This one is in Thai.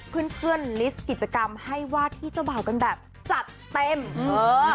เพื่อนเพื่อนลิสต์กิจกรรมให้วาดที่เจ้าบ่าวกันแบบจัดเต็มเออ